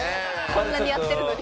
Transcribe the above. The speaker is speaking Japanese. こんなにやってるのに。